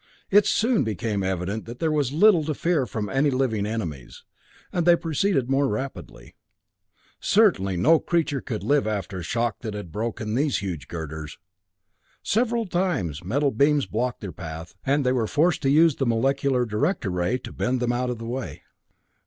It soon became evident that there was little to fear from any living enemies, and they proceeded more rapidly. Certainly no creature could live after the shock that had broken these huge girders! Several times metal beams blocked their path, and they were forced to use the molecular director ray to bend them out of the way.